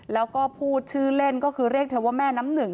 แล้วก็พูดชื่อเล่นก็คือเรียกเธอว่าแม่น้ำหนึ่ง